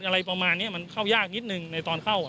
อะไรประมาณนี้มันเข้ายากนิดนึงในตอนเข้า